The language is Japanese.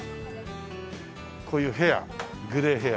こういうヘアグレイヘア。